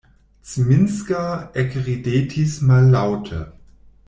Zminska ekridetis mallaŭte